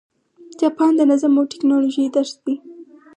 جاپان د نظم او ټکنالوژۍ درس دی.